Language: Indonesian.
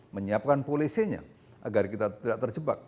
menyiapkan polisinya agar kita tidak terjebak